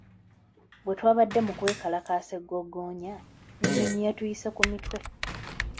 Bwe twabadde mu kwekalakaasa e Ggogonya, ennyonyi yatuyise ku mitwe.